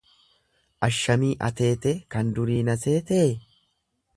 Ashamii ateetee kan durii na seetee?